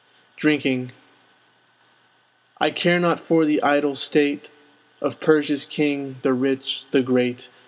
DRINKING I care not for the idle state Of Persia's king, the rich, the great!